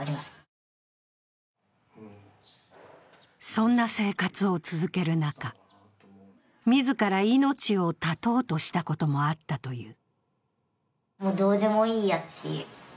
そんな生活を続ける中自ら命を絶とうとしたこともあったという。